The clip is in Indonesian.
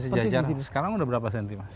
besis ya sejajar sekarang sudah berapa sentimeter